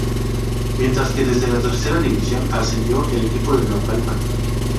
Mientras que desde la Tercera División, ascendió el equipo de Naucalpan.